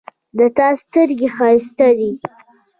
د تا سترګې ښایستې دي